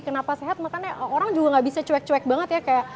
kenapa sehat makanya orang juga gak bisa cuek cuek banget ya kayak